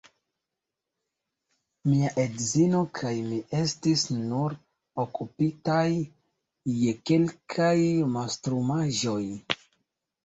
Mia edzino kaj mi estis nur okupitaj je kelkaj mastrumaĵoj.